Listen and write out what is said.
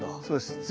そうです。